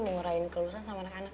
dengerin kelulusan sama anak anak